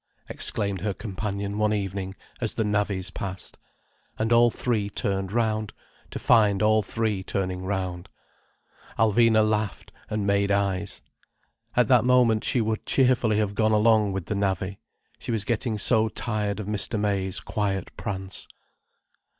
exclaimed her companion one evening as the navvies passed. And all three turned round, to find all three turning round. Alvina laughed, and made eyes. At that moment she would cheerfully have gone along with the navvy. She was getting so tired of Mr. May's quiet prance.